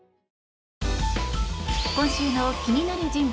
今週の気になる人物